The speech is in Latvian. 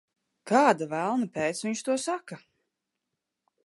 Kāda velna pēc viņš to saka?